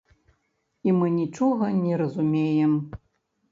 І мы нічога не разумеем!